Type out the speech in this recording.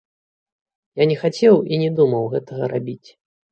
Я не хацеў і не думаў гэтага рабіць.